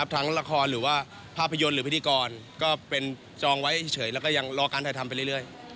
ทั้งละครหรือว่าภาพยนตร์หรือพิธีกรก็เป็นจองไว้เฉยแล้วก็ยังรอการถ่ายทำไปเรื่อย